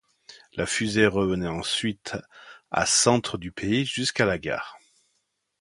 La fusée revenait ensuite à centre du pays jusqu'à la gare.